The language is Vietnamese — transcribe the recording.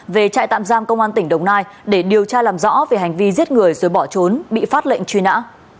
về trại tạm giam công an tỉnh đồng nai để điều tra làm rõ về hành vi giết người rồi bỏ trốn bị phát lệnh truy nã